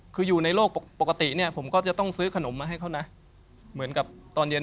คือเรากินข้าวไปก็อะชัยกิน